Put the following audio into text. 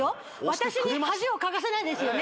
私に恥をかかせないですよね？